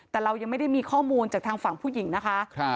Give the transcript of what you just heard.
แต่เรายังไม่ได้มีข้อมูลจากทางฝั่งผู้หญิงนะคะ